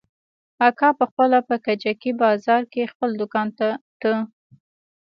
اکا پخپله په کجکي بازار کښې خپل دوکان ته ته.